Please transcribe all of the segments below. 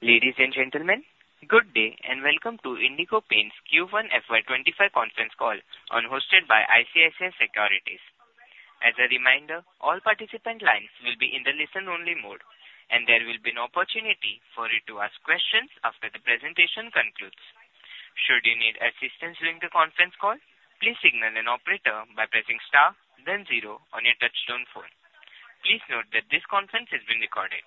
Ladies and gentlemen, good day and welcome to Indigo Paints Q1 FY 2025 Conference Call, hosted by ICICI Securities. As a reminder, all participant lines will be in the listen-only mode, and there will be an opportunity for you to ask questions after the presentation concludes. Should you need assistance during the conference call, please signal an operator by pressing star, then zero on your touch-tone phone. Please note that this conference is being recorded.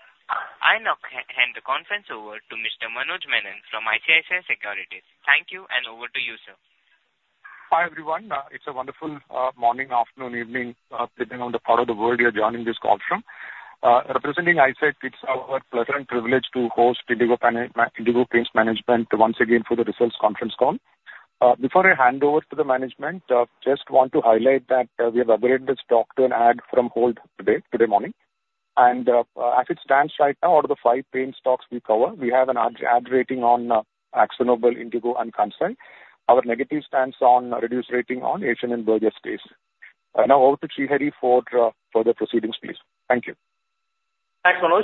I now hand the conference over to Mr. Manoj Menon from ICICI Securities. Thank you, and over to you, sir. Hi everyone. It's a wonderful morning, afternoon, evening, depending on the part of the world you're joining this call from. Representing ICICI, it's our pleasant privilege to host Indigo Paints Management once again for the Results Conference Call. Before I hand over to the management, I just want to highlight that we have upgraded a stock to an Add from Hold today morning. And as it stands right now, out of the five paint stocks we cover, we have an Add rating on AkzoNobel, Indigo, and Kansai. Our negative stands on reduced rating on Asian and Berger stays. Now over to Srihari for the proceedings, please. Thank you. Thanks, Manoj.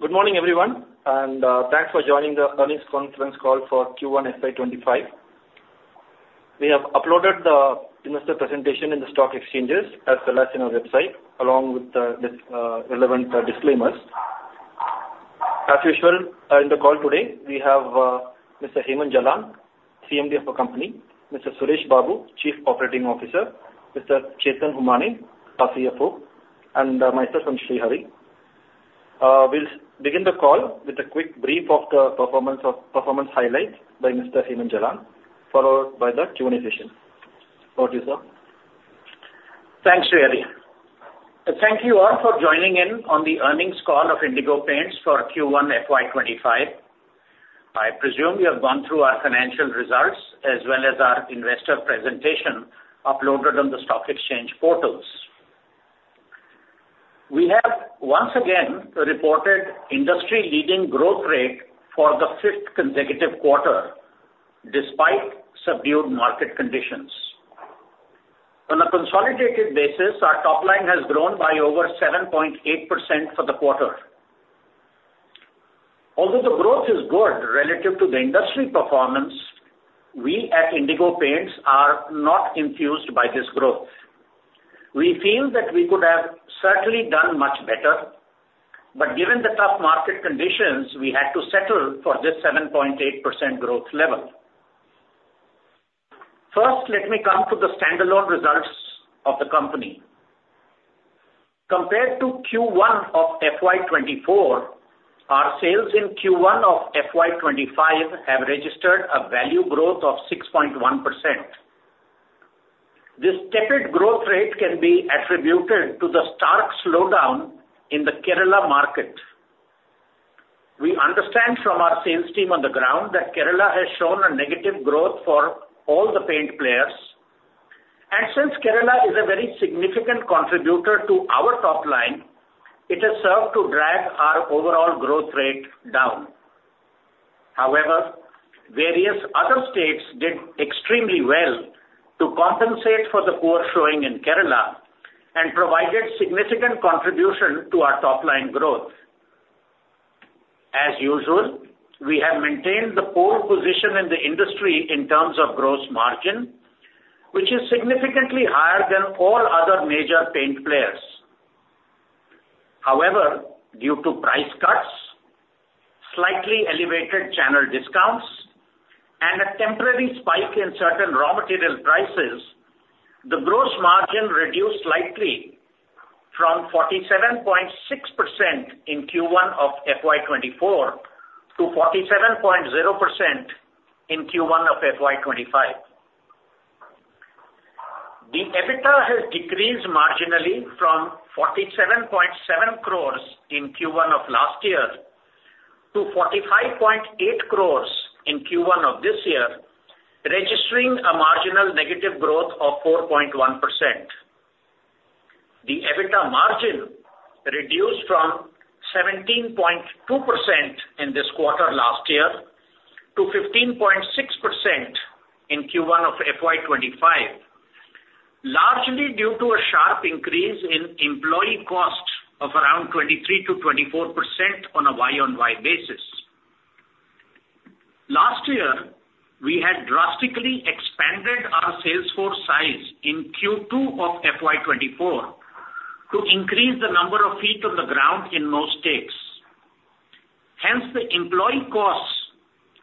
Good morning, everyone, and thanks for joining the Earnings Conference Call for Q1 FY 2025. We have uploaded the investor presentation in the stock exchanges as well as in our website, along with the relevant disclaimers. As usual, in the call today, we have Mr. Hemant Jalan, CMD of the company, Mr. Suresh Babu, Chief Operating Officer, Mr. Chetan Humane, CFO, and myself, I am Srihari. We'll begin the call with a quick brief of the performance highlights by Mr. Hemant Jalan followed by the Q&A session. Over to you, sir. Thanks, Srihari. Thank you all for joining in on the Earnings Call of Indigo Paints for Q1 FY 2025. I presume you have gone through our financial results as well as our investor presentation uploaded on the stock exchange portals. We have once again reported industry-leading growth rate for the fifth consecutive quarter despite subdued market conditions. On a consolidated basis, our top line has grown by over 7.8% for the quarter. Although the growth is good relative to the industry performance, we at Indigo Paints are not enthused by this growth. We feel that we could have certainly done much better, but given the tough market conditions, we had to settle for this 7.8% growth level. First, let me come to the standalone results of the company. Compared to Q1 of FY 2024, our sales in Q1 of FY 2025 have registered a value growth of 6.1%. This tepid growth rate can be attributed to the stark slowdown in the Kerala market. We understand from our sales team on the ground that Kerala has shown a negative growth for all the paint players. And since Kerala is a very significant contributor to our top line, it has served to drag our overall growth rate down. However, various other states did extremely well to compensate for the poor showing in Kerala and provided significant contribution to our top line growth. As usual, we have maintained the pole position in the industry in terms of gross margin, which is significantly higher than all other major paint players. However, due to price cuts, slightly elevated channel discounts, and a temporary spike in certain raw material prices, the gross margin reduced slightly from 47.6% in Q1 of FY 2024 to 47.0% in Q1 of FY 2025. The EBITDA has decreased marginally from 47.7 crores in Q1 of last year to 45.8 crores in Q1 of this year, registering a marginal negative growth of 4.1%. The EBITDA margin reduced from 17.2% in this quarter last year to 15.6% in Q1 of FY 2025, largely due to a sharp increase in employee cost of around 23%-24% on a Y-on-Y basis. Last year, we had drastically expanded our sales force size in Q2 of FY 2024 to increase the number of feet on the ground in most states. Hence, the employee cost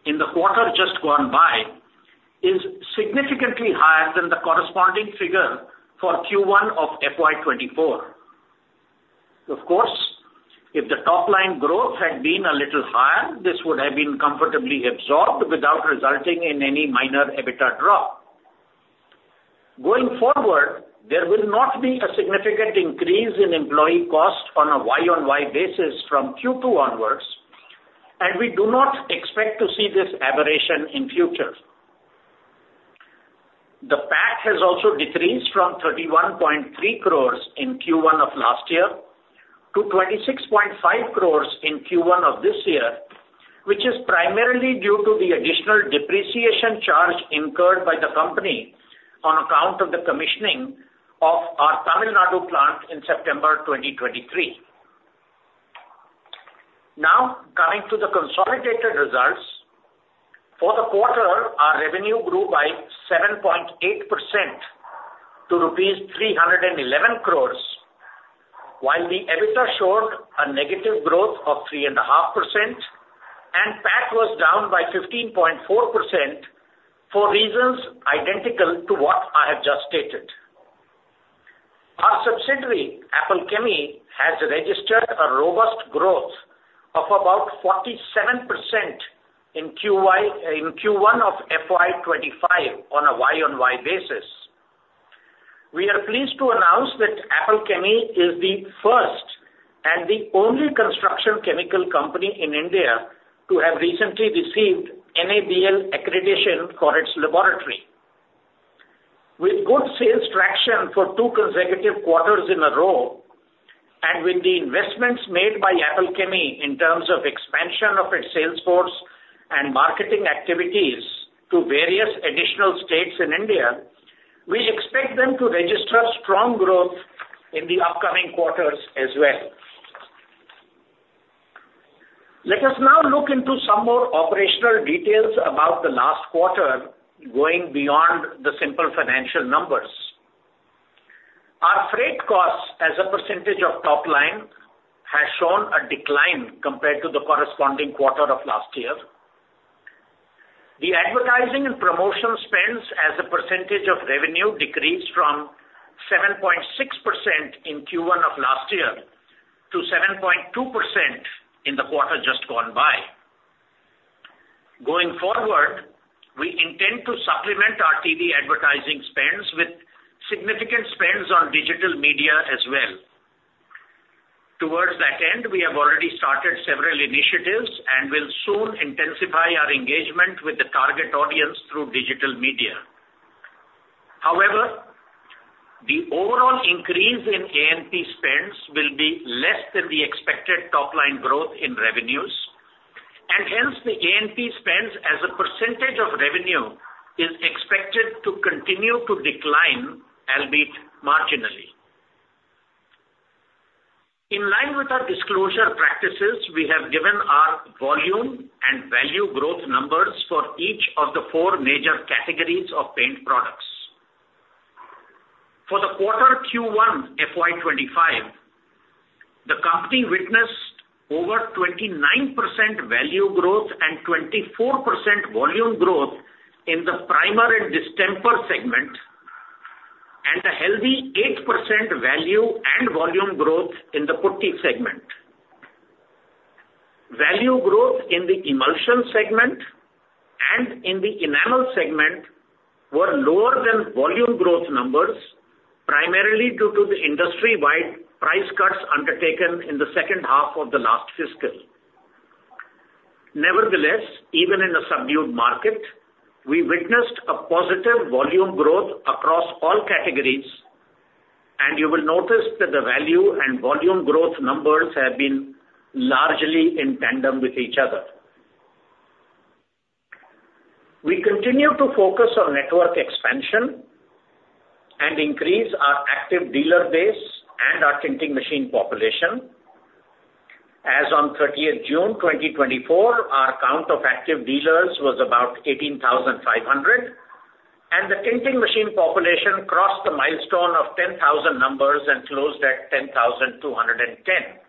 in the quarter just gone by is significantly higher than the corresponding figure for Q1 of FY 2024. Of course, if the top line growth had been a little higher, this would have been comfortably absorbed without resulting in any minor EBITDA drop. Going forward, there will not be a significant increase in employee cost on a Y-on-Y basis from Q2 onwards, and we do not expect to see this aberration in future. The PAT has also decreased from 31.3 crores in Q1 of last year to 26.5 crores in Q1 of this year, which is primarily due to the additional depreciation charge incurred by the company on account of the commissioning of our Tamil Nadu plant in September 2023. Now, coming to the consolidated results, for the quarter, our revenue grew by 7.8% to rupees 311 crores, while the EBITDA showed a negative growth of 3.5%, and PAT was down by 15.4% for reasons identical to what I have just stated. Our subsidiary, Apple Chemie, has registered a robust growth of about 47% in Q1 of FY 2025 on a Y-on-Y basis. We are pleased to announce that Apple Chemie is the first and the only construction chemical company in India to have recently received NABL accreditation for its laboratory. With good sales traction for two consecutive quarters in a row, and with the investments made by Apple Chemie in terms of expansion of its sales force and marketing activities to various additional states in India, we expect them to register strong growth in the upcoming quarters as well. Let us now look into some more operational details about the last quarter going beyond the simple financial numbers. Our freight costs as a percentage of top line have shown a decline compared to the corresponding quarter of last year. The advertising and promotion spends as a percentage of revenue decreased from 7.6% in Q1 of last year to 7.2% in the quarter just gone by. Going forward, we intend to supplement our TV advertising spends with significant spends on digital media as well. Towards that end, we have already started several initiatives and will soon intensify our engagement with the target audience through digital media. However, the overall increase in A&P spends will be less than the expected top line growth in revenues, and hence the A&P spends as a percentage of revenue is expected to continue to decline, albeit marginally. In line with our disclosure practices, we have given our volume and value growth numbers for each of the four major categories of paint products. For the quarter Q1 FY 2025, the company witnessed over 29% value growth and 24% volume growth in the primer and distemper segment, and a healthy 8% value and volume growth in the putty segment. Value growth in the emulsion segment and in the enamel segment were lower than volume growth numbers, primarily due to the industry-wide price cuts undertaken in the second half of the last fiscal. Nevertheless, even in a subdued market, we witnessed a positive volume growth across all categories, and you will notice that the value and volume growth numbers have been largely in tandem with each other. We continue to focus on network expansion and increase our active dealer base and our tinting machine population. As on 30th June 2024, our count of active dealers was about 18,500, and the tinting machine population crossed the milestone of 10,000 numbers and closed at 10,210.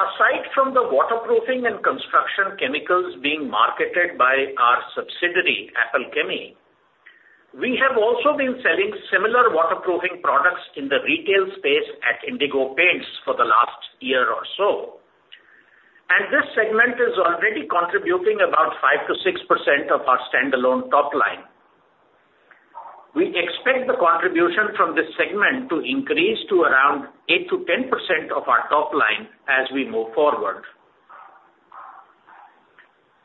Aside from the waterproofing and construction chemicals being marketed by our subsidiary, Apple Chemie, we have also been selling similar waterproofing products in the retail space at Indigo Paints for the last year or so, and this segment is already contributing about 5%-6% of our standalone top line. We expect the contribution from this segment to increase to around 8%-10% of our top line as we move forward.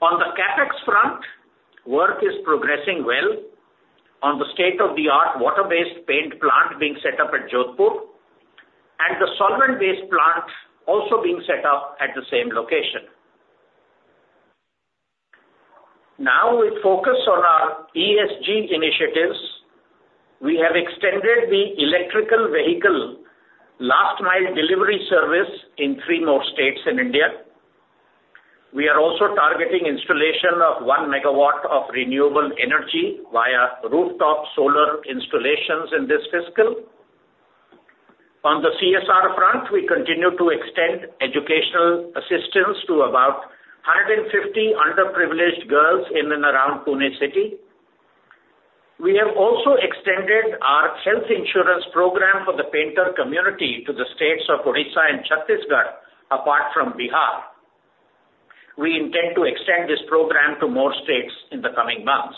On the CapEx front, work is progressing well on the state-of-the-art water-based paint plant being set up at Jodhpur, and the solvent-based plant also being set up at the same location. Now, with focus on our ESG initiatives, we have extended the electric vehicle last-mile delivery service in three more states in India. We are also targeting installation of one megawatt of renewable energy via rooftop solar installations in this fiscal. On the CSR front, we continue to extend educational assistance to about 150 underprivileged girls in and around Pune City. We have also extended our health insurance program for the painter community to the states of Odisha and Chhattisgarh, apart from Bihar. We intend to extend this program to more states in the coming months.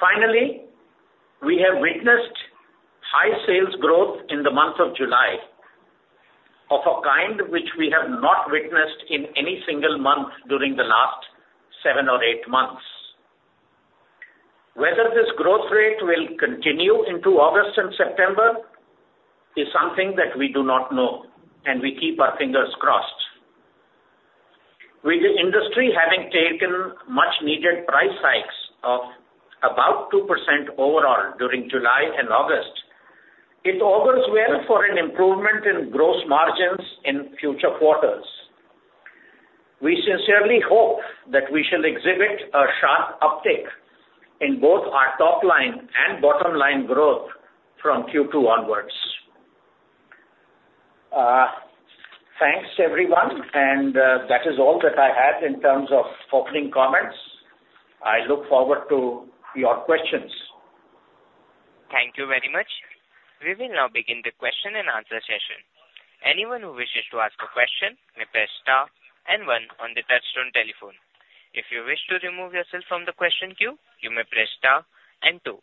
Finally, we have witnessed high sales growth in the month of July of a kind which we have not witnessed in any single month during the last seven or eight months. Whether this growth rate will continue into August and September is something that we do not know, and we keep our fingers crossed. With the industry having taken much-needed price hikes of about 2% overall during July and August, it augurs well for an improvement in gross margins in future quarters. We sincerely hope that we shall exhibit a sharp uptick in both our top line and bottom line growth from Q2 onwards. Thanks, everyone, and that is all that I had in terms of opening comments. I look forward to your questions. Thank you very much. We will now begin the question and answer session. Anyone who wishes to ask a question may press Star and 1 on the touch-tone telephone. If you wish to remove yourself from the question queue, you may press Star and 2.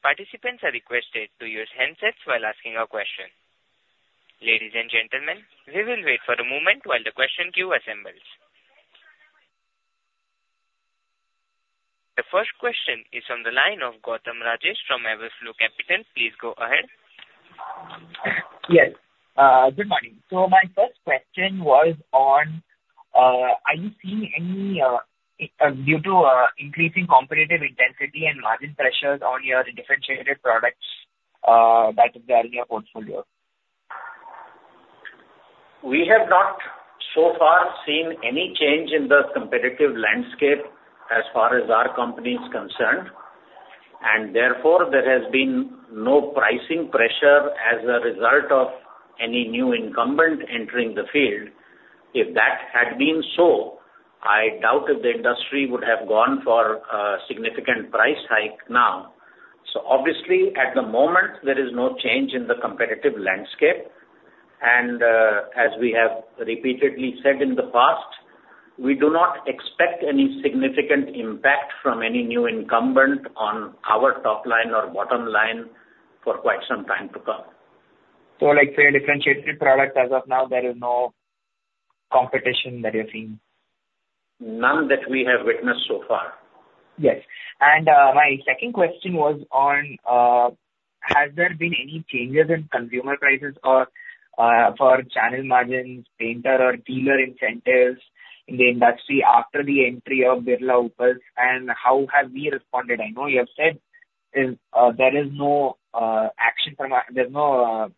Participants are requested to use handsets while asking a question. Ladies and gentlemen, we will wait for a moment while the question queue assembles. The first question is from the line of Gautam Rajesh from Everflow Capital. Please go ahead. Yes. Good morning, so my first question was on, are you seeing any due to increasing competitive intensity and margin pressures on your differentiated products that are in your portfolio? We have not so far seen any change in the competitive landscape as far as our company is concerned, and therefore there has been no pricing pressure as a result of any new incumbent entering the field. If that had been so, I doubt the industry would have gone for a significant price hike now. So obviously, at the moment, there is no change in the competitive landscape, and as we have repeatedly said in the past, we do not expect any significant impact from any new incumbent on our top line or bottom line for quite some time to come. So for a differentiated product as of now, there is no competition that you're seeing? None that we have witnessed so far. Yes. And my second question was on, has there been any changes in consumer prices for channel margins, painter or dealer incentives in the industry after the entry of Birla Opus, and how have we responded? I know you have said there is no action from our, there's no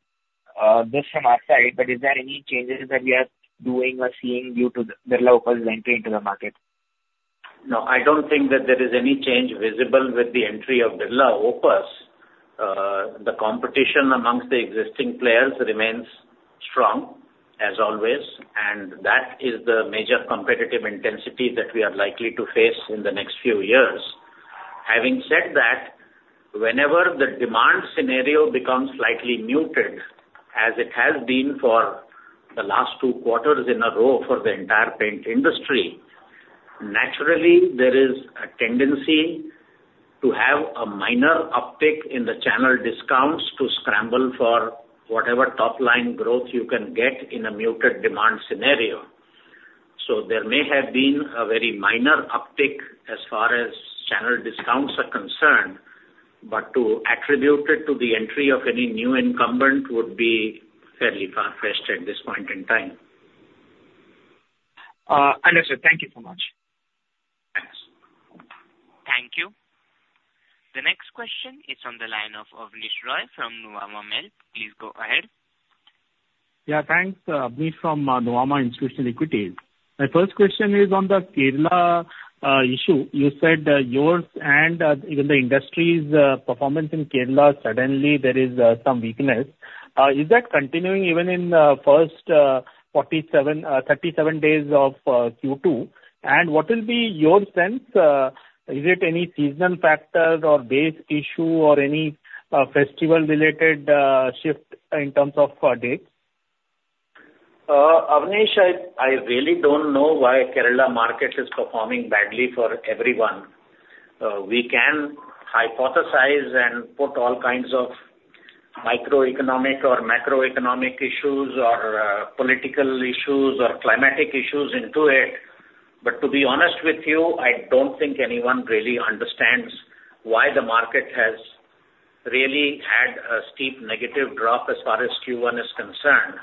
this from our side, but is there any changes that we are doing or seeing due to Birla Opus' entry into the market? No, I don't think that there is any change visible with the entry of Birla Opus. The competition amongst the existing players remains strong, as always, and that is the major competitive intensity that we are likely to face in the next few years. Having said that, whenever the demand scenario becomes slightly muted, as it has been for the last two quarters in a row for the entire paint industry, naturally, there is a tendency to have a minor uptick in the channel discounts to scramble for whatever top line growth you can get in a muted demand scenario. So there may have been a very minor uptick as far as channel discounts are concerned, but to attribute it to the entry of any new incumbent would be fairly far-fetched at this point in time. Understood. Thank you so much. Thanks. Thank you. The next question is from the line of Abneesh Roy from Nuvama Wealth. Please go ahead. Yeah, thanks. Abneesh from Nuvama Institutional Equities. My first question is on the Kerala issue. You said yours and even the industry's performance in Kerala, suddenly there is some weakness. Is that continuing even in the first 47-37 days of Q2? And what will be your sense? Is it any seasonal factor or base issue or any festival-related shift in terms of dates? Abneesh, I really don't know why Kerala market is performing badly for everyone. We can hypothesize and put all kinds of microeconomic or macroeconomic issues or political issues or climatic issues into it, but to be honest with you, I don't think anyone really understands why the market has really had a steep negative drop as far as Q1 is concerned.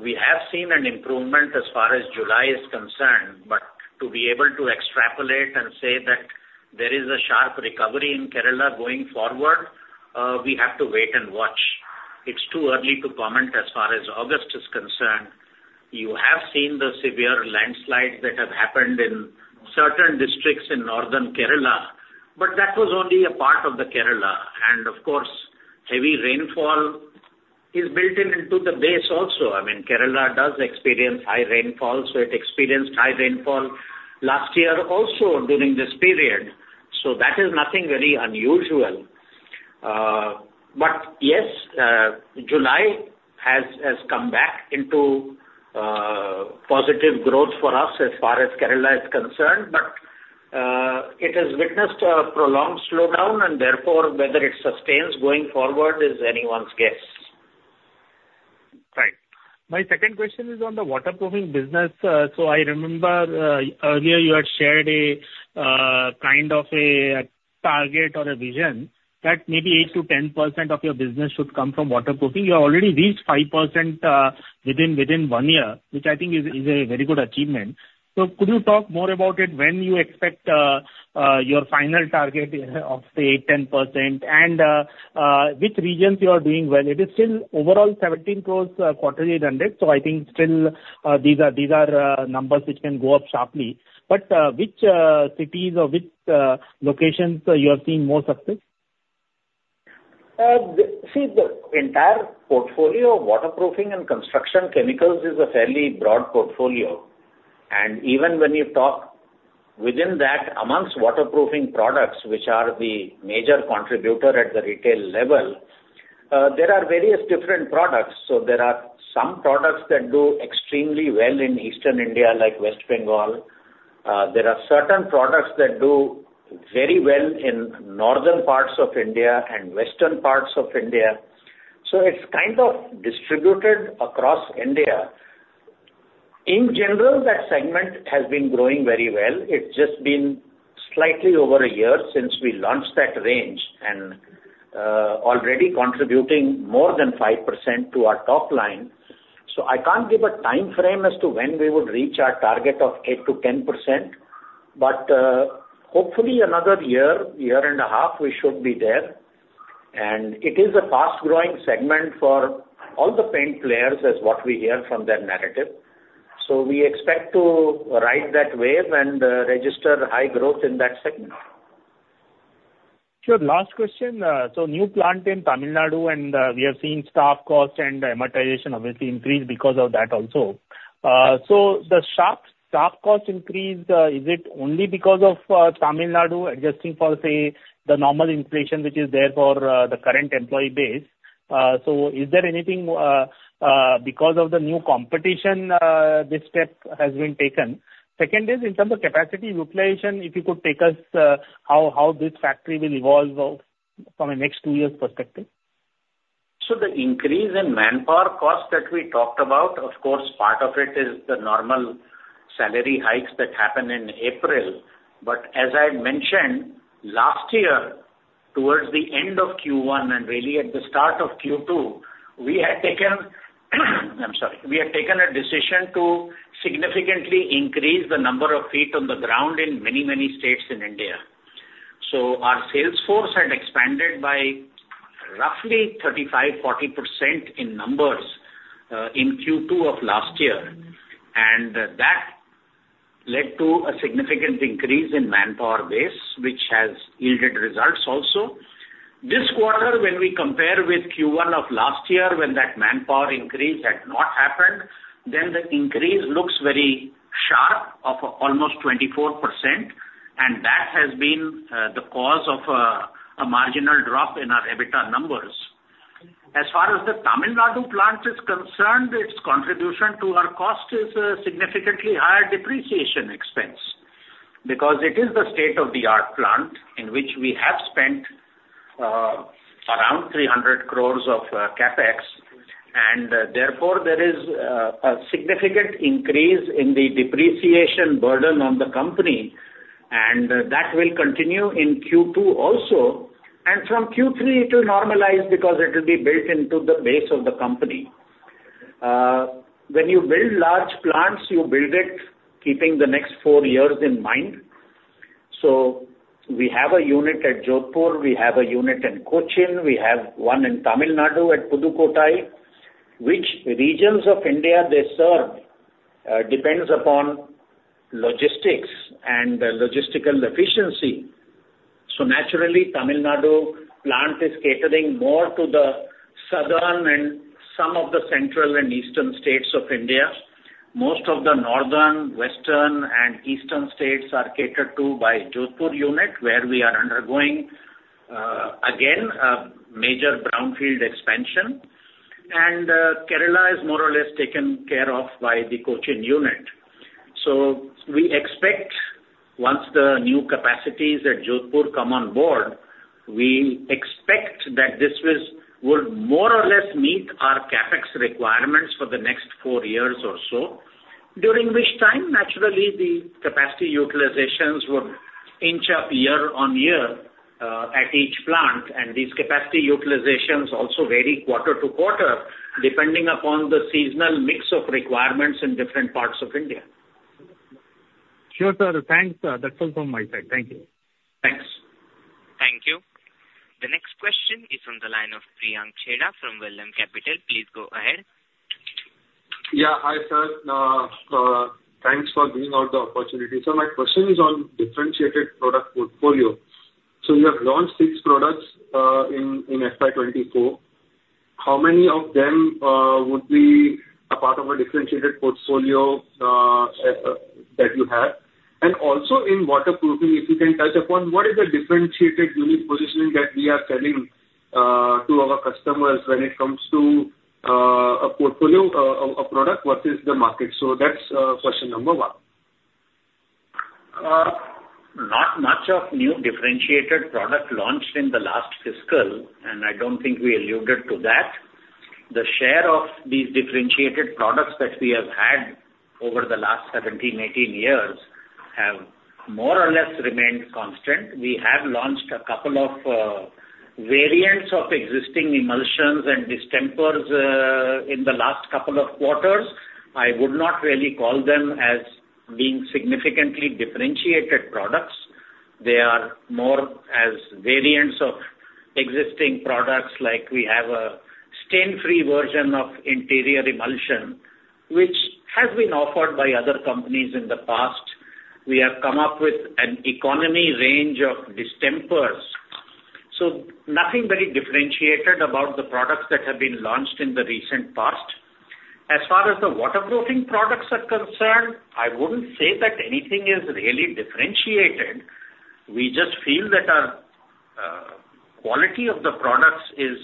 We have seen an improvement as far as July is concerned, but to be able to extrapolate and say that there is a sharp recovery in Kerala going forward, we have to wait and watch. It's too early to comment as far as August is concerned. You have seen the severe landslides that have happened in certain districts in northern Kerala, but that was only a part of the Kerala, and of course, heavy rainfall is built into the base also. I mean, Kerala does experience high rainfall, so it experienced high rainfall last year also during this period, so that is nothing very unusual. But yes, July has come back into positive growth for us as far as Kerala is concerned, but it has witnessed a prolonged slowdown, and therefore whether it sustains going forward is anyone's guess. Right. My second question is on the waterproofing business. So I remember earlier you had shared a kind of a target or a vision that maybe 8%-10% of your business should come from waterproofing. You already reached 5% within one year, which I think is a very good achievement. So could you talk more about it? When do you expect your final target of the 8%-10%, and which regions you are doing well? It is still overall 17 crores quarterly revenue, so I think still these are numbers which can go up sharply. But which cities or which locations you have seen more success? See, the entire portfolio of waterproofing and construction chemicals is a fairly broad portfolio, and even when you talk within that among waterproofing products, which are the major contributor at the retail level, there are various different products. So there are some products that do extremely well in Eastern India like West Bengal. There are certain products that do very well in northern parts of India and western parts of India. So it's kind of distributed across India. In general, that segment has been growing very well. It's just been slightly over a year since we launched that range and already contributing more than 5% to our top line. So I can't give a time frame as to when we would reach our target of 8%-10%, but hopefully another year, year and a half, we should be there. It is a fast-growing segment for all the paint players as what we hear from their narrative. We expect to ride that wave and register high growth in that segment. Sure. Last question. So new plant in Tamil Nadu, and we have seen staff cost and amortization obviously increase because of that also. So the sharp cost increase, is it only because of Tamil Nadu adjusting for, say, the normal inflation which is there for the current employee base? So is there anything because of the new competition this step has been taken? Second is in terms of capacity utilization, if you could take us how this factory will evolve from a next two years' perspective? So the increase in manpower cost that we talked about, of course, part of it is the normal salary hikes that happened in April. But as I mentioned, last year, towards the end of Q1 and really at the start of Q2, we had taken. I'm sorry, we had taken a decision to significantly increase the number of feet on the ground in many, many states in India. So our sales force had expanded by roughly 35%-40% in numbers in Q2 of last year, and that led to a significant increase in manpower base, which has yielded results also. This quarter, when we compare with Q1 of last year when that manpower increase had not happened, then the increase looks very sharp of almost 24%, and that has been the cause of a marginal drop in our EBITDA numbers. As far as the Tamil Nadu plant is concerned, its contribution to our cost is a significantly higher depreciation expense because it is the state-of-the-art plant in which we have spent around 300 crores of CapEx, and therefore there is a significant increase in the depreciation burden on the company, and that will continue in Q2 also, and from Q3 it will normalize because it will be built into the base of the company. When you build large plants, you build it keeping the next four years in mind. We have a unit at Jodhpur, we have a unit in Cochin, we have one in Tamil Nadu at Pudukkottai. Which regions of India they serve depends upon logistics and logistical efficiency. Naturally, Tamil Nadu plant is catering more to the southern and some of the central and eastern states of India. Most of the northern, western, and eastern states are catered to by Jodhpur unit where we are undergoing, again, a major brownfield expansion, and Kerala is more or less taken care of by the Cochin unit. So we expect once the new capacities at Jodhpur come on board, we expect that this will more or less meet our CapEx requirements for the next four years or so, during which time, naturally, the capacity utilizations would inch up year on year at each plant, and these capacity utilizations also vary quarter to quarter depending upon the seasonal mix of requirements in different parts of India. Sure, sir. Thanks. That's all from my side. Thank you. Thanks. Thank you. The next question is from the line of Priyank Chheda from Vallum Capital. Please go ahead. Yeah. Hi, sir. Thanks for giving out the opportunity. So my question is on differentiated product portfolio. So you have launched six products in FY 2024. How many of them would be a part of a differentiated portfolio that you have? And also in waterproofing, if you can touch upon, what is the differentiated unique positioning that we are selling to our customers when it comes to a portfolio, a product versus the market? So that's question number one. Not much of new differentiated product launched in the last fiscal, and I don't think we alluded to that. The share of these differentiated products that we have had over the last 17, 18 years have more or less remained constant. We have launched a couple of variants of existing emulsions and distempers in the last couple of quarters. I would not really call them as being significantly differentiated products. They are more as variants of existing products like we have a stain-free version of interior emulsion, which has been offered by other companies in the past. We have come up with an economy range of distempers. So nothing very differentiated about the products that have been launched in the recent past. As far as the waterproofing products are concerned, I wouldn't say that anything is really differentiated. We just feel that our quality of the products is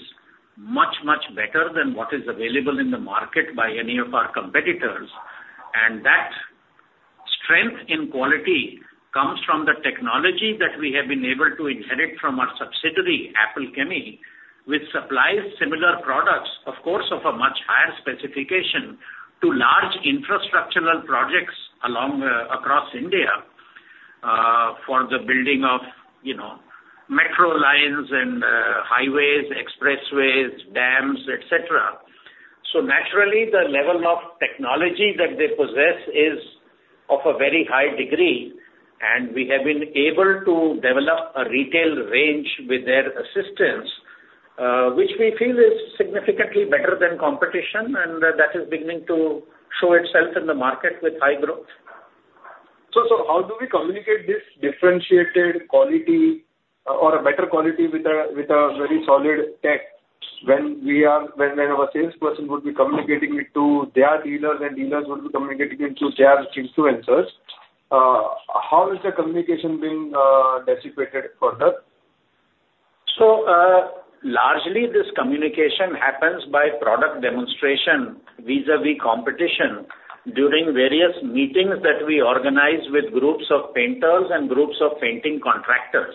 much, much better than what is available in the market by any of our competitors, and that strength in quality comes from the technology that we have been able to inherit from our subsidiary, Apple Chemie, which supplies similar products, of course, of a much higher specification to large infrastructural projects across India for the building of metro lines and highways, expressways, dams, etc. So naturally, the level of technology that they possess is of a very high degree, and we have been able to develop a retail range with their assistance, which we feel is significantly better than competition, and that is beginning to show itself in the market with high growth. So how do we communicate this differentiated quality or a better quality with a very solid tech when our salesperson would be communicating it to their dealers and dealers would be communicating it to their influencers? How is the communication being disseminated further? So largely, this communication happens by product demonstration vis-a-vis competition during various meetings that we organize with groups of painters and groups of painting contractors.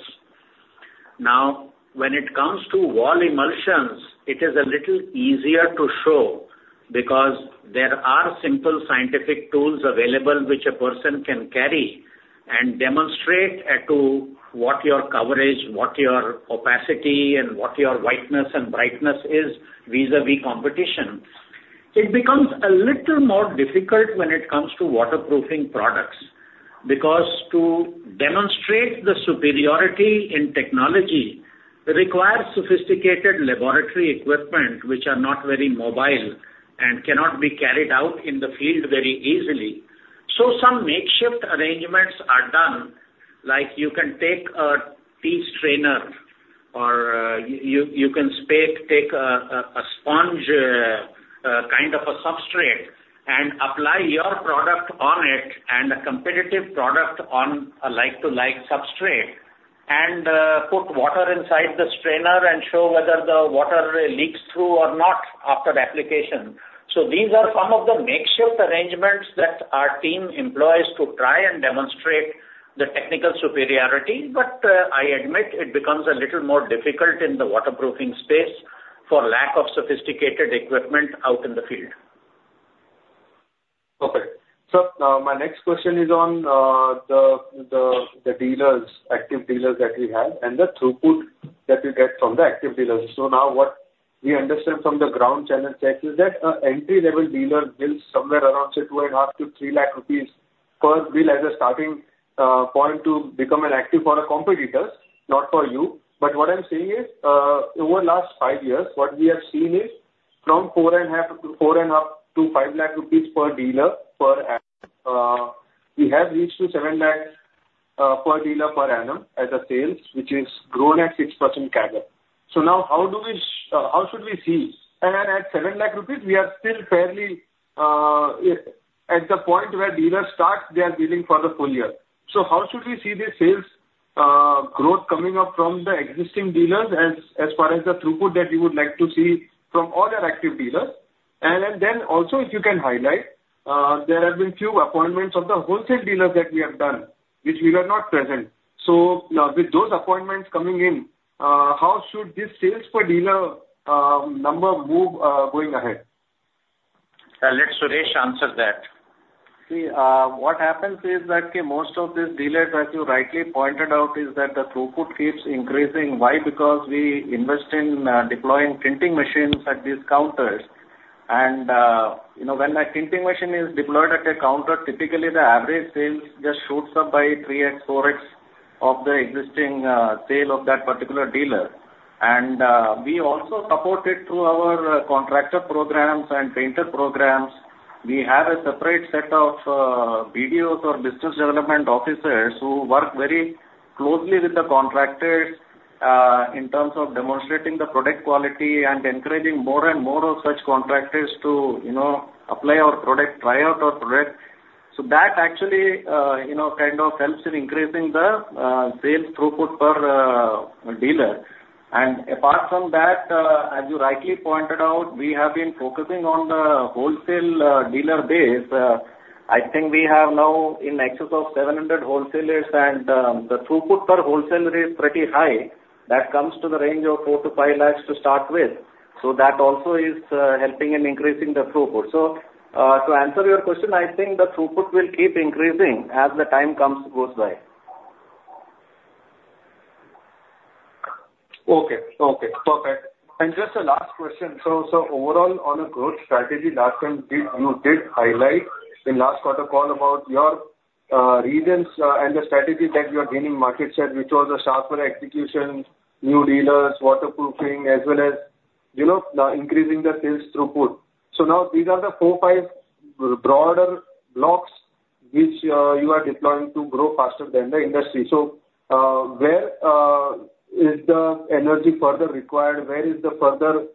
Now, when it comes to wall emulsions, it is a little easier to show because there are simple scientific tools available which a person can carry and demonstrate to what your coverage, what your opacity, and what your whiteness and brightness is vis-a-vis competition. It becomes a little more difficult when it comes to waterproofing products because to demonstrate the superiority in technology requires sophisticated laboratory equipment which are not very mobile and cannot be carried out in the field very easily. Some makeshift arrangements are done, like you can take a tea strainer or you can take a sponge kind of a substrate and apply your product on it and a competitive product on a like-to-like substrate and put water inside the strainer and show whether the water leaks through or not after application. These are some of the makeshift arrangements that our team employs to try and demonstrate the technical superiority, but I admit it becomes a little more difficult in the waterproofing space for lack of sophisticated equipment out in the field. Okay. So now my next question is on the active dealers that we have and the throughput that we get from the active dealers. So now what we understand from the ground channel checks is that an entry-level dealer bills somewhere around, say, 2.5-3 lakh rupees per bill as a starting point to become an active for a competitor, not for you. But what I'm saying is over the last five years, what we have seen is from 4.5-5 lakh rupees per dealer per annum. We have reached 7 lakh per dealer per annum as a sales, which has grown at 6% CAGR. So now how should we see? And at 7 lakh rupees, we are still fairly at the point where dealers start their dealing for the full year. So how should we see the sales growth coming up from the existing dealers as far as the throughput that you would like to see from all your active dealers? And then also, if you can highlight, there have been few appointments of the wholesale dealers that we have done, which we were not present. So with those appointments coming in, how should this sales per dealer number move going ahead? Let Suresh answer that. See, what happens is that most of these dealers, as you rightly pointed out, is that the throughput keeps increasing. Why? Because we invest in deploying tinting machines at these counters, and when that tinting machine is deployed at a counter, typically the average sales just shoots up by 3x, 4x of the existing sale of that particular dealer, and we also support it through our contractor programs and painter programs. We have a separate set of videos or business development officers who work very closely with the contractors in terms of demonstrating the product quality and encouraging more and more of such contractors to apply our product, try out our product, so that actually kind of helps in increasing the sales throughput per dealer, and apart from that, as you rightly pointed out, we have been focusing on the wholesale dealer base. I think we have now in excess of 700 wholesalers, and the throughput per wholesaler is pretty high. That comes to the range of 4 lakhs-5 lakhs to start with. So that also is helping in increasing the throughput. So to answer your question, I think the throughput will keep increasing as the time goes by. Okay. Okay. Perfect. And just a last question. So overall, on a growth strategy last time, you did highlight in last quarter call about your reasons and the strategy that you are gaining market share, which was a sharper execution, new dealers, waterproofing, as well as increasing the sales throughput. So now these are the four, five broader blocks which you are deploying to grow faster than the industry. So where is the energy further required? Where is the further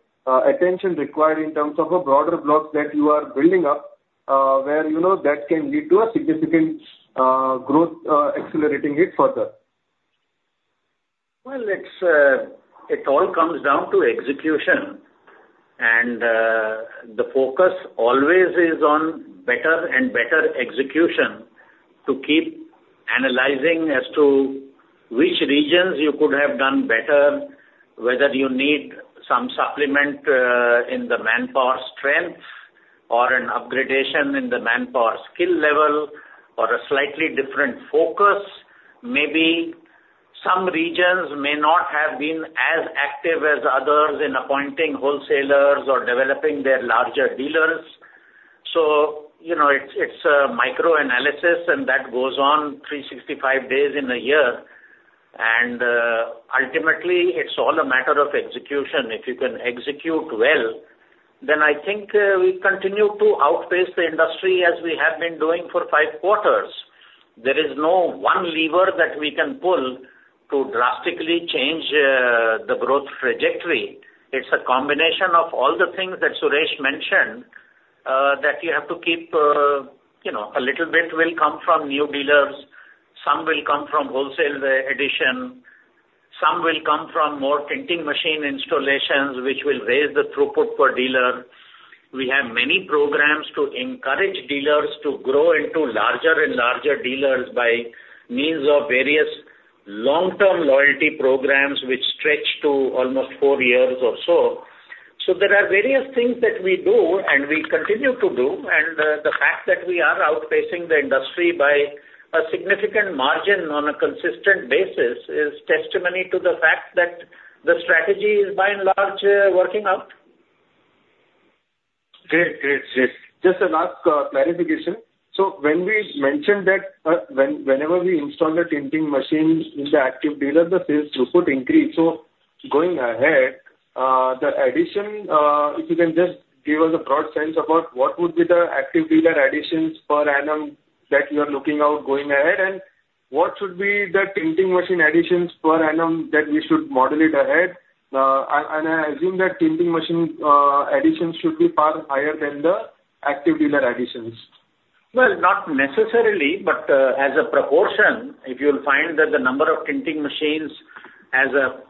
attention required in terms of a broader blocks that you are building up where that can lead to a significant growth, accelerating it further? It all comes down to execution, and the focus always is on better and better execution to keep analyzing as to which regions you could have done better, whether you need some supplement in the manpower strength or an upgradation in the manpower skill level or a slightly different focus. Maybe some regions may not have been as active as others in appointing wholesalers or developing their larger dealers. It's a micro-analysis, and that goes on 365 days in a year. Ultimately, it's all a matter of execution. If you can execute well, then I think we continue to outpace the industry as we have been doing for five quarters. There is no one lever that we can pull to drastically change the growth trajectory. It's a combination of all the things that Suresh mentioned that you have to keep. A little bit will come from new dealers. Some will come from wholesaler addition. Some will come from more tinting machine installations, which will raise the throughput per dealer. We have many programs to encourage dealers to grow into larger and larger dealers by means of various long-term loyalty programs which stretch to almost four years or so. So there are various things that we do and we continue to do, and the fact that we are outpacing the industry by a significant margin on a consistent basis is testimony to the fact that the strategy is by and large working out. Great. Great. Just a last clarification. So when we mentioned that whenever we install the tinting machine in the active dealer, the sales throughput increase. So going ahead, the addition, if you can just give us a broad sense about what would be the active dealer additions per annum that you are looking out going ahead, and what should be the tinting machine additions per annum that we should model it ahead? And I assume that tinting machine additions should be far higher than the active dealer additions. Not necessarily, but as a proportion, if you'll find that the number of tinting machines as a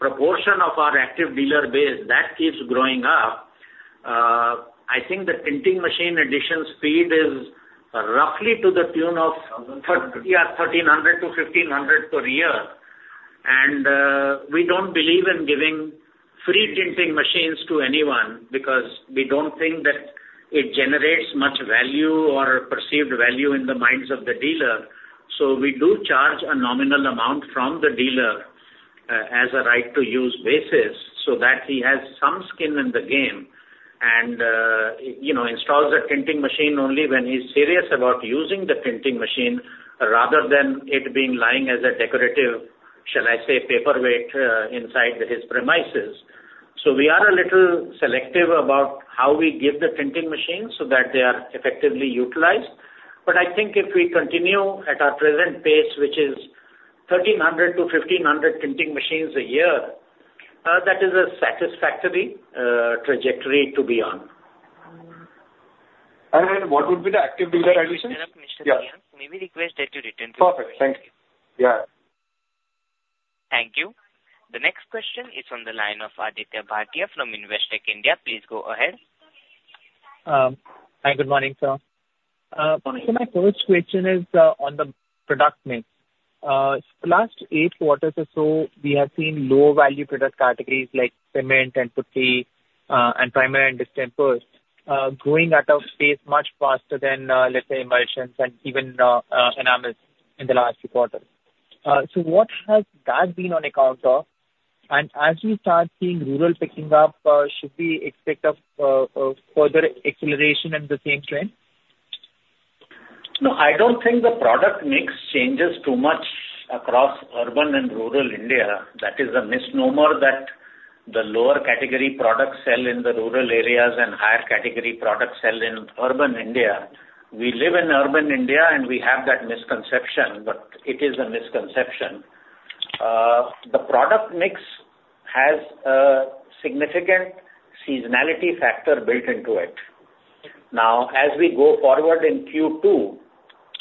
proportion of our active dealer base that keeps growing up, I think the tinting machine addition speed is roughly to the tune of 1,300-1,500 per year, and we don't believe in giving free tinting machines to anyone because we don't think that it generates much value or perceived value in the minds of the dealer. So we do charge a nominal amount from the dealer as a right-to-use basis so that he has some skin in the game and installs a tinting machine only when he's serious about using the tinting machine rather than it being lying as a decorative, shall I say, paperweight inside his premises, so we are a little selective about how we give the tinting machines so that they are effectively utilized. But I think if we continue at our present pace, which is 1,300-1,500 tinting machines a year, that is a satisfactory trajectory to be on. What would be the active dealer additions? Srinath Nischal, may we request that you return to the queue? Perfect. Thank you. Yeah. Thank you. The next question is on the line of Aditya Bhartia from Investec India. Please go ahead. Hi, good morning, sir. My first question is on the product mix. Last eight quarters or so, we have seen low-value product categories like cement and putty and primer and distempers growing out of pace much faster than, let's say, emulsions and even enamels in the last few quarters. So what has that been on account of? And as we start seeing rural picking up, should we expect further acceleration in the same trend? No, I don't think the product mix changes too much across urban and rural India. That is a misnomer that the lower category products sell in the rural areas and higher category products sell in urban India. We live in urban India, and we have that misconception, but it is a misconception. The product mix has a significant seasonality factor built into it. Now, as we go forward in Q2,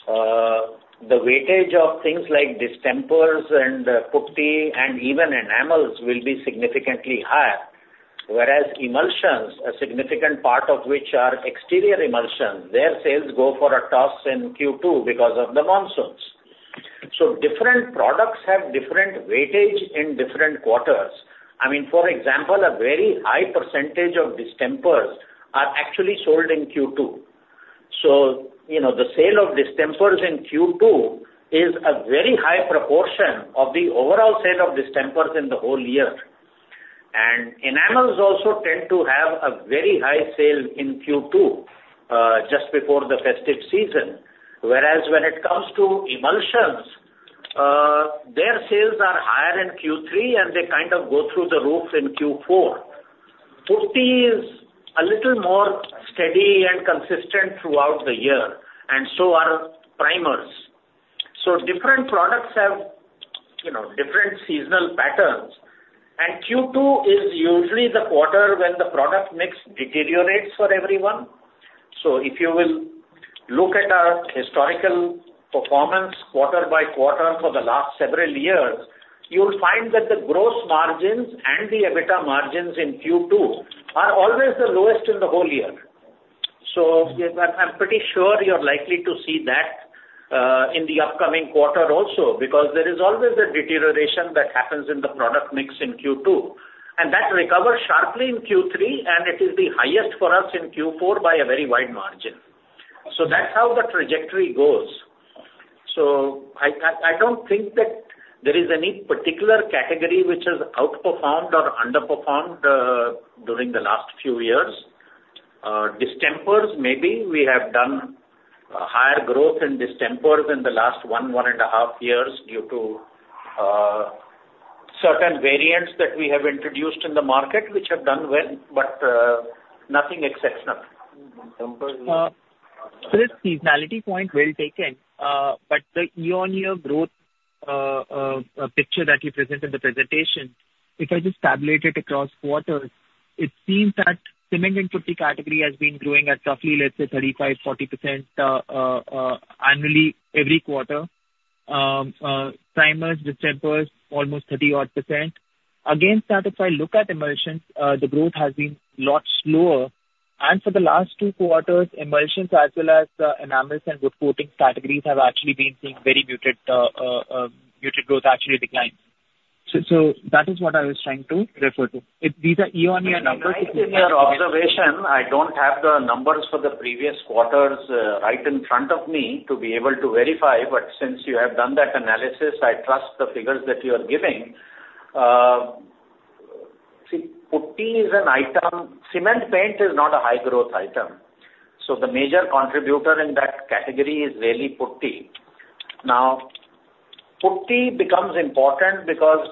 the weightage of things like distempers and putty and even enamels will be significantly higher, whereas emulsions, a significant part of which are exterior emulsions, their sales go for a toss in Q2 because of the monsoons. So different products have different weightage in different quarters. I mean, for example, a very high percentage of distempers are actually sold in Q2. So the sale of distempers in Q2 is a very high proportion of the overall sale of distempers in the whole year. And enamels also tend to have a very high sale in Q2 just before the festive season, whereas when it comes to emulsions, their sales are higher in Q3, and they kind of go through the roof in Q4. Putty is a little more steady and consistent throughout the year, and so are primers. So different products have different seasonal patterns, and Q2 is usually the quarter when the product mix deteriorates for everyone. So if you will look at our historical performance quarter-by-quarter for the last several years, you'll find that the gross margins and the EBITDA margins in Q2 are always the lowest in the whole year. I'm pretty sure you're likely to see that in the upcoming quarter also because there is always a deterioration that happens in the product mix in Q2, and that recovers sharply in Q3, and it is the highest for us in Q4 by a very wide margin. That's how the trajectory goes. I don't think that there is any particular category which has outperformed or underperformed during the last few years. Distempers, maybe. We have done higher growth in distempers in the last one and a half years due to certain variants that we have introduced in the market, which have done well, but nothing exceptional. Sir, seasonality point well taken. But the year-on-year growth picture that you presented in the presentation, if I just tabulate it across quarters, it seems that cement and putty category has been growing at roughly, let's say, 35%-40% annually every quarter. Primers, distempers, almost 30-odd%. Against that, if I look at emulsions, the growth has been a lot slower. And for the last two quarters, emulsions as well as enamels and wood coating categories have actually been seeing very muted growth, actually decline. So that is what I was trying to refer to. These are year-on-year numbers. That's your observation. I don't have the numbers for the previous quarters right in front of me to be able to verify, but since you have done that analysis, I trust the figures that you are giving. See, putty is an item. Cement paint is not a high-growth item. So the major contributor in that category is really putty. Now, putty becomes important because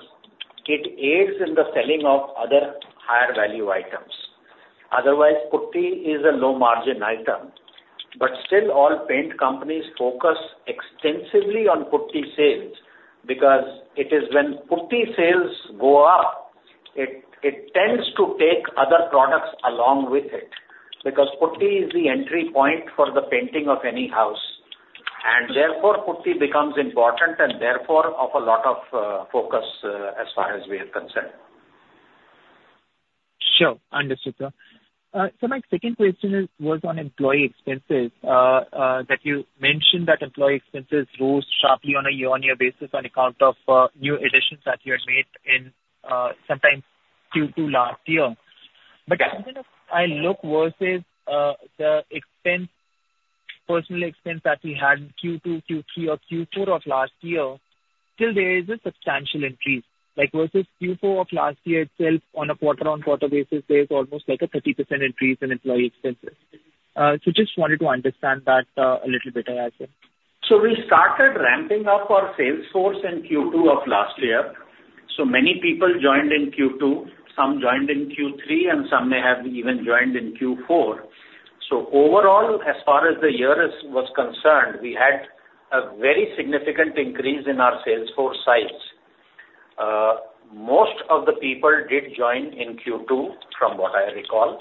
it aids in the selling of other higher-value items. Otherwise, putty is a low-margin item. But still, all paint companies focus extensively on putty sales because it is when putty sales go up, it tends to take other products along with it because putty is the entry point for the painting of any house. And therefore, putty becomes important and therefore of a lot of focus as far as we are concerned. Sure. Understood, sir. So my second question was on employee expenses. You mentioned that employee expenses rose sharply on a year-on-year basis on account of new additions that you had made sometime Q2 last year. But as I look versus the personnel expense that we had in Q2, Q3, or Q4 of last year, still, there is a substantial increase. Versus Q4 of last year itself, on a quarter-on-quarter basis, there's almost like a 30% increase in employee expenses. So just wanted to understand that a little bit, I assume. So we started ramping up our sales force in Q2 of last year. So many people joined in Q2, some joined in Q3, and some may have even joined in Q4. So overall, as far as the year was concerned, we had a very significant increase in our sales force size. Most of the people did join in Q2, from what I recall.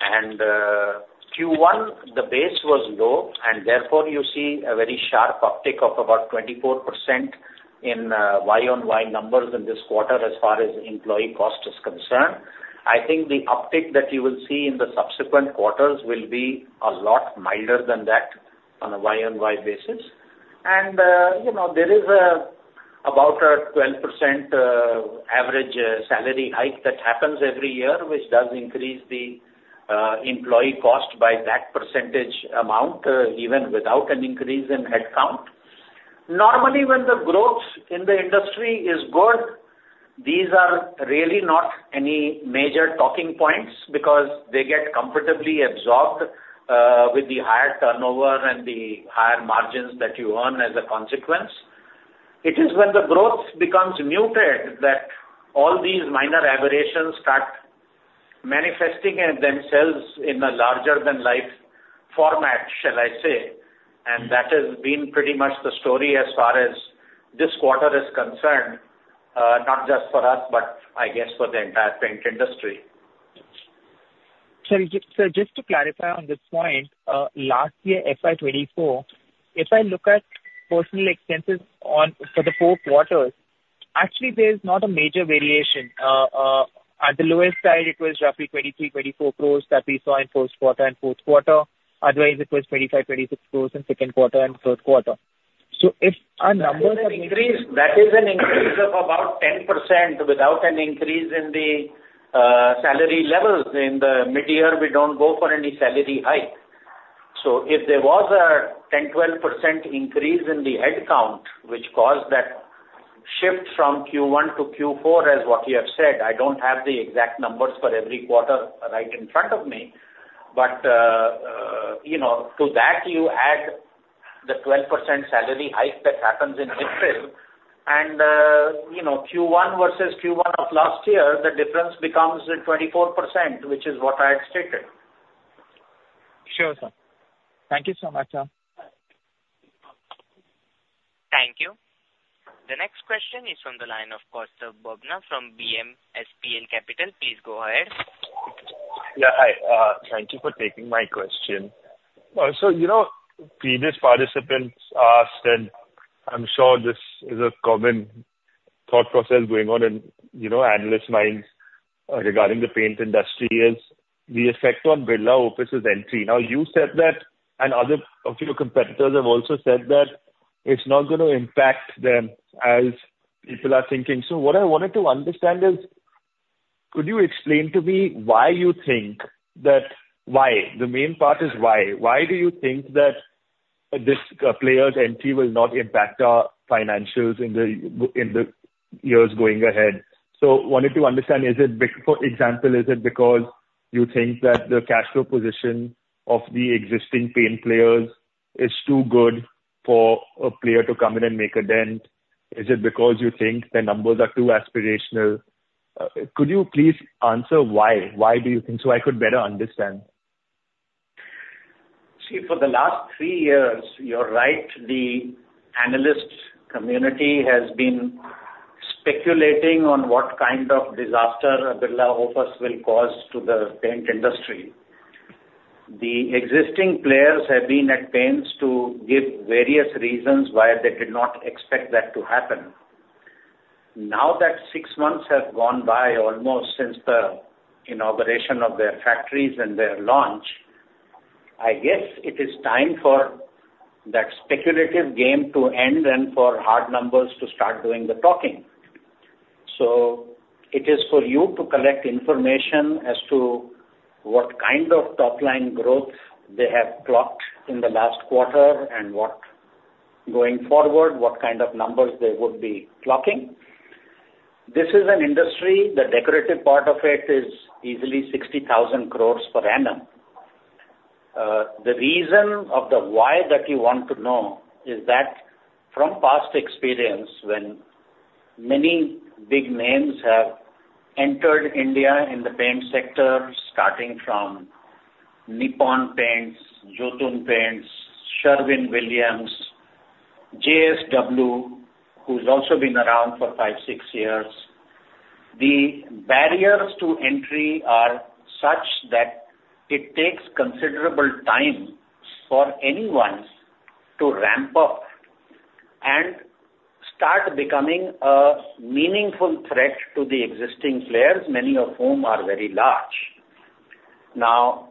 And Q1, the base was low, and therefore, you see a very sharp uptick of about 24% in Y-on-Y numbers in this quarter as far as employee cost is concerned. I think the uptick that you will see in the subsequent quarters will be a lot milder than that on a Y-on-Y basis. And there is about a 12% average salary hike that happens every year, which does increase the employee cost by that percentage amount, even without an increase in headcount. Normally, when the growth in the industry is good, these are really not any major talking points because they get comfortably absorbed with the higher turnover and the higher margins that you earn as a consequence. It is when the growth becomes muted that all these minor aberrations start manifesting themselves in a larger-than-life format, shall I say, and that has been pretty much the story as far as this quarter is concerned, not just for us, but I guess for the entire paint industry. Suresh, so just to clarify on this point, last year, FY 2024, if I look at personnel expenses for the four quarters, actually, there's not a major variation. At the lowest tier, it was roughly 23-24 crores that we saw in first quarter and fourth quarter. Otherwise, it was 25-26 crores in second quarter and third quarter. So if our numbers are maybe. That is an increase of about 10% without an increase in the salary levels. In the mid-year, we don't go for any salary hike, so if there was a 10%-12% increase in the headcount, which caused that shift from Q1 to Q4, as what you have said, I don't have the exact numbers for every quarter right in front of me, but to that, you add the 12% salary hike that happens in mid-year, and Q1 versus Q1 of last year, the difference becomes 24%, which is what I had stated. Sure, sir. Thank you so much, sir. Thank you. The next question is from the line of Kaustav Bubna from BMSPL Capital. Please go ahead. Yeah. Hi. Thank you for taking my question. So previous participants asked, and I'm sure this is a common thought process going on in analysts' minds regarding the paint industry, is the effect on Birla Opus's entry. Now, you said that, and a few competitors have also said that it's not going to impact them as people are thinking. So what I wanted to understand is, could you explain to me why you think that? Why? The main part is why. Why do you think that this player's entry will not impact our financials in the years going ahead? So I wanted to understand, for example, is it because you think that the cash flow position of the existing paint players is too good for a player to come in and make a dent? Is it because you think the numbers are too aspirational? Could you please answer why? Why do you think so? I could better understand. See, for the last three years, you're right. The analyst community has been speculating on what kind of disaster Birla Opus will cause to the paint industry. The existing players have been at pains to give various reasons why they did not expect that to happen. Now that six months have gone by almost since the inauguration of their factories and their launch, I guess it is time for that speculative game to end and for hard numbers to start doing the talking. So it is for you to collect information as to what kind of top-line growth they have clocked in the last quarter and going forward, what kind of numbers they would be clocking. This is an industry. The decorative part of it is easily 60,000 crores per annum. The reason of the why that you want to know is that from past experience, when many big names have entered India in the paint sector, starting from Nippon Paints, Jotun Paints, Sherwin-Williams, JSW, who's also been around for five, six years, the barriers to entry are such that it takes considerable time for anyone to ramp up and start becoming a meaningful threat to the existing players, many of whom are very large. Now,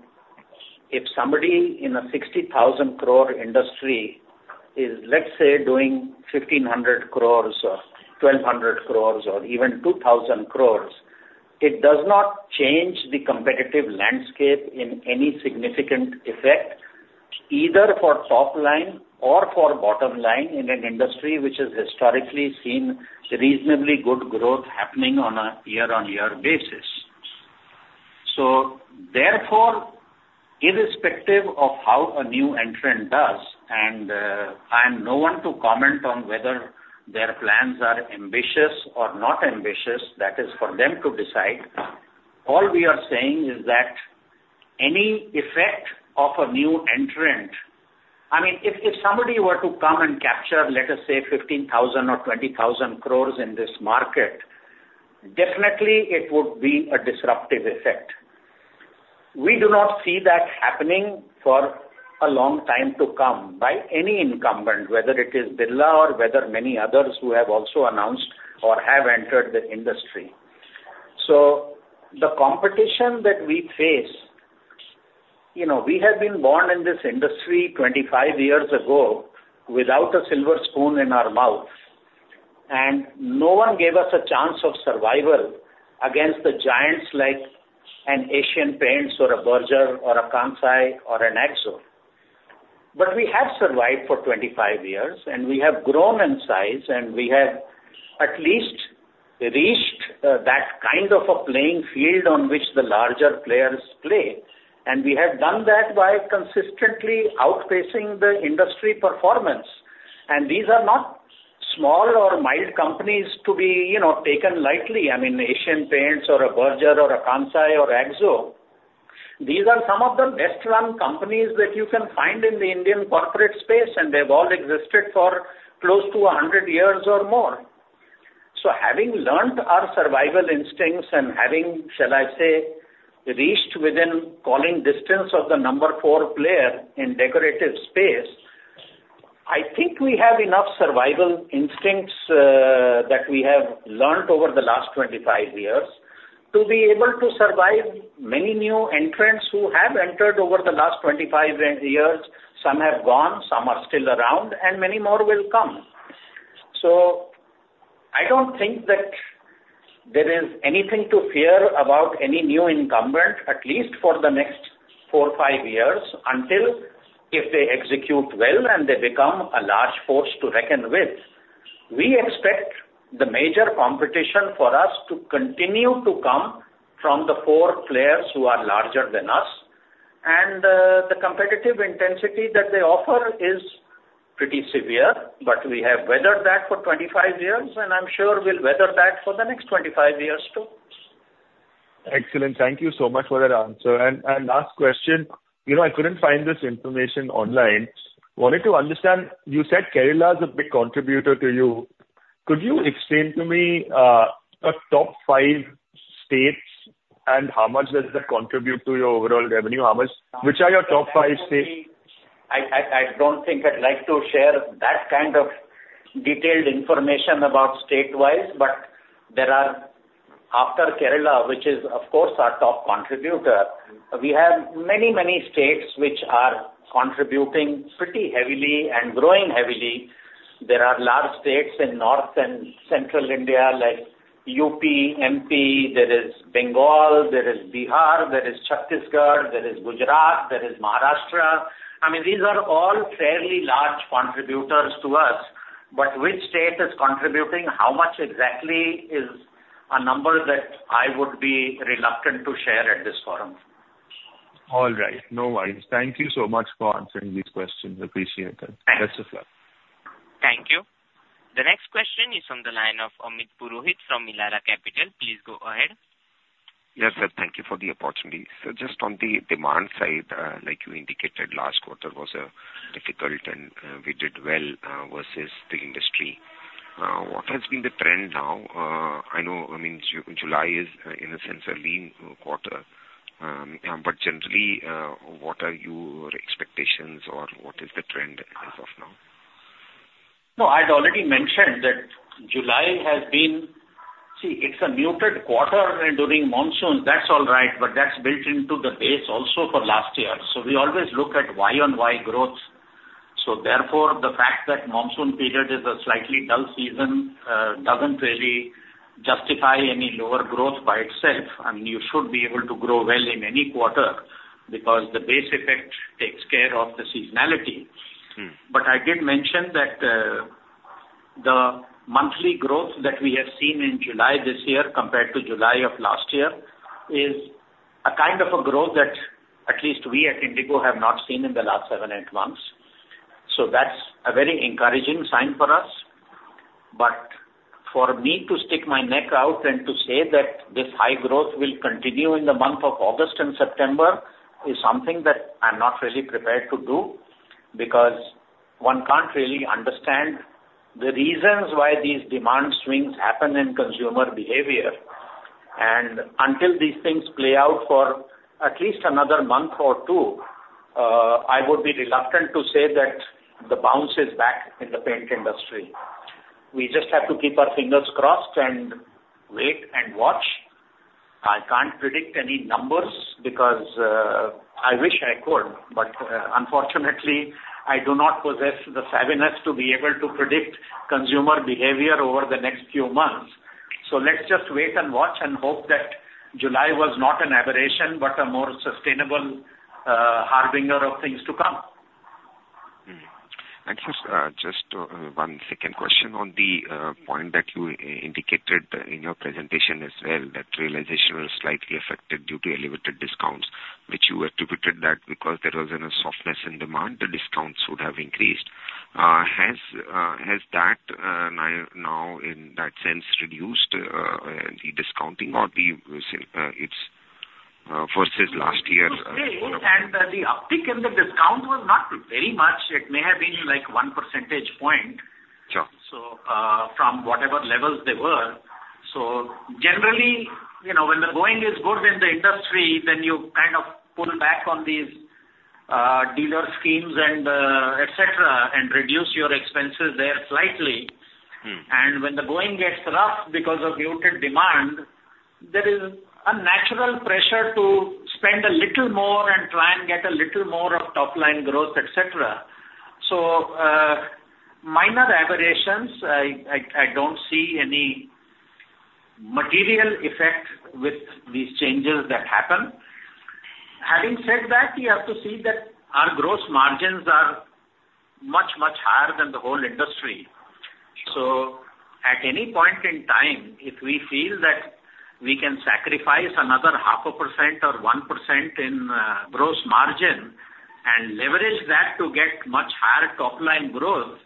if somebody in a 60,000-crore industry is, let's say, doing 1,500 crores or 1,200 crores or even 2,000 crores, it does not change the competitive landscape in any significant effect, either for top-line or for bottom-line in an industry which has historically seen reasonably good growth happening on a year-on-year basis. So therefore, irrespective of how a new entrant does, and I'm no one to comment on whether their plans are ambitious or not ambitious. That is for them to decide. All we are saying is that any effect of a new entrant I mean, if somebody were to come and capture, let us say, 15,000 or 20,000 crores in this market, definitely, it would be a disruptive effect. We do not see that happening for a long time to come by any incumbent, whether it is Birla or whether many others who have also announced or have entered the industry. So the competition that we face, we have been born in this industry 25 years ago without a silver spoon in our mouth, and no one gave us a chance of survival against the giants like an Asian Paints or a Berger or a Kansai or an Akzo. But we have survived for 25 years, and we have grown in size, and we have at least reached that kind of a playing field on which the larger players play. And we have done that by consistently outpacing the industry performance. And these are not small or mild companies to be taken lightly. I mean, Asian Paints or a Berger or a Kansai or Akzo, these are some of the best-run companies that you can find in the Indian corporate space, and they've all existed for close to 100 years or more. So having learned our survival instincts and having, shall I say, reached within calling distance of the number four player in decorative space, I think we have enough survival instincts that we have learned over the last 25 years to be able to survive many new entrants who have entered over the last 25 years. Some have gone. Some are still around, and many more will come. So I don't think that there is anything to fear about any new incumbent, at least for the next four, five years, until if they execute well and they become a large force to reckon with. We expect the major competition for us to continue to come from the four players who are larger than us. And the competitive intensity that they offer is pretty severe, but we have weathered that for 25 years, and I'm sure we'll weather that for the next 25 years too. Excellent. Thank you so much for that answer, and last question. I couldn't find this information online. Wanted to understand, you said Kerala is a big contributor to you. Could you explain to me the top five states and how much does that contribute to your overall revenue? Which are your top five states? I don't think I'd like to share that kind of detailed information about state-wise, but after Kerala, which is, of course, our top contributor, we have many, many states which are contributing pretty heavily and growing heavily. There are large states in North and Central India like UP, MP. There is Bengal. There is Bihar. There is Chhattisgarh. There is Gujarat. There is Maharashtra. I mean, these are all fairly large contributors to us. But which state is contributing how much exactly is a number that I would be reluctant to share at this forum. All right. No worries. Thank you so much for answering these questions. Appreciate it. Best of luck. Thank you. The next question is from the line of Amit Purohit from Elara Capital. Please go ahead. Yes, sir. Thank you for the opportunity. So just on the demand side, like you indicated, last quarter was difficult, and we did well versus the industry. What has been the trend now? I mean, July is, in a sense, a lean quarter. But generally, what are your expectations or what is the trend as of now? No, I'd already mentioned that July has been, it's a muted quarter during monsoons. That's all right, but that's built into the base also for last year. So we always look at Y-on-Y growth. So therefore, the fact that monsoon period is a slightly dull season doesn't really justify any lower growth by itself. I mean, you should be able to grow well in any quarter because the base effect takes care of the seasonality. But I did mention that the monthly growth that we have seen in July this year compared to July of last year is a kind of a growth that at least we at Indigo have not seen in the last seven, eight months. So that's a very encouraging sign for us. But for me to stick my neck out and to say that this high growth will continue in the month of August and September is something that I'm not really prepared to do because one can't really understand the reasons why these demand swings happen in consumer behavior. And until these things play out for at least another month or two, I would be reluctant to say that the bounce is back in the paint industry. We just have to keep our fingers crossed and wait and watch. I can't predict any numbers because I wish I could, but unfortunately, I do not possess the savviness to be able to predict consumer behavior over the next few months. So let's just wait and watch and hope that July was not an aberration but a more sustainable harbinger of things to come. Thank you. Just one second question on the point that you indicated in your presentation as well, that realization was slightly affected due to elevated discounts, which you attributed that because there was a softness in demand. The discounts would have increased. Has that now, in that sense, reduced the discounting or its versus last year? The uptick in the discount was not very much. It may have been like one percentage point from whatever levels they were. Generally, when the going is good in the industry, then you kind of pull back on these dealer schemes and etc. and reduce your expenses there slightly. When the going gets rough because of muted demand, there is a natural pressure to spend a little more and try and get a little more of top-line growth, etc. Minor aberrations. I don't see any material effect with these changes that happen. Having said that, you have to see that our gross margins are much, much higher than the whole industry. So at any point in time, if we feel that we can sacrifice another 0.5% or 1% in gross margin and leverage that to get much higher top-line growth,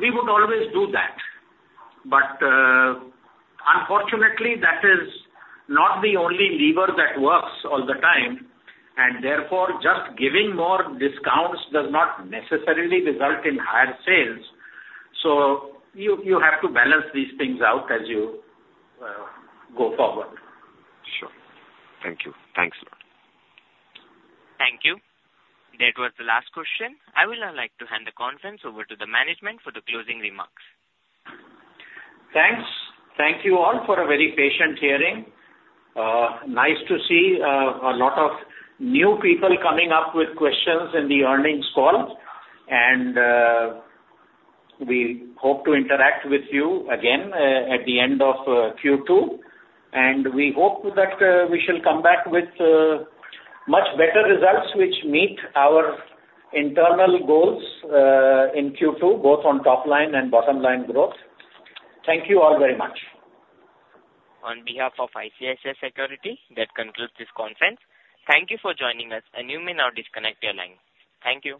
we would always do that. But unfortunately, that is not the only lever that works all the time. And therefore, just giving more discounts does not necessarily result in higher sales. So you have to balance these things out as you go forward. Sure. Thank you. Thanks, sir. Thank you. That was the last question. I would now like to hand the conference over to the management for the closing remarks. Thanks. Thank you all for a very patient hearing. Nice to see a lot of new people coming up with questions in the earnings call, and we hope to interact with you again at the end of Q2, and we hope that we shall come back with much better results which meet our internal goals in Q2, both on top-line and bottom-line growth. Thank you all very much. On behalf of ICICI Securities, that concludes this conference. Thank you for joining us, and you may now disconnect your line. Thank you.